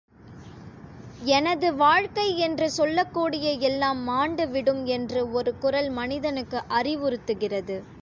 எனது வாழ்க்கை என்று சொல்லக்கூடிய எல்லாம் மாண்டுவிடும் என்று ஒரு குரல் மனிதனுக்கு அறிவுறுத்துகிறது.